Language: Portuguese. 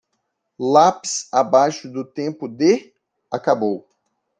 Lápis abaixo do tempo de? acabou.